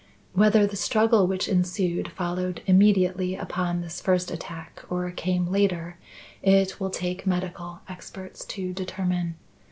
"Whether the struggle which ensued followed immediately upon this first attack or came later, it will take medical experts to determine.